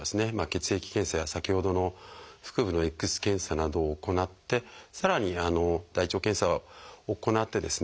血液検査や先ほどの腹部のＸ線検査などを行ってさらに大腸検査を行ってですね